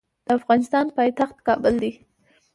د افغانستان پایتخت کابل دی.